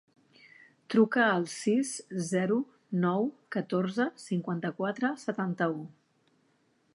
Truca al sis, zero, nou, catorze, cinquanta-quatre, setanta-u.